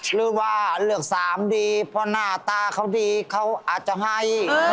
หรือว่าเลือกสามดีเพราะหน้าตาเขาดีเขาอาจจะให้